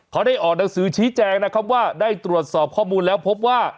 เขาได้ออกหนังสือชี้แจงนะครับว่าได้ตรวจสอบข้อมูลแล้วพบว่า